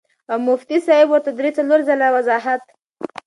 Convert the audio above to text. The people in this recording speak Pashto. او مفتي صېب ورته درې څلور ځله وضاحت